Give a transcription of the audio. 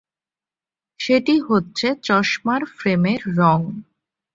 সেটি হচ্ছে চশমার ফ্রেমের রঙ।